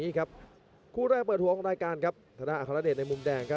ชัมเปียร์ชาเลน์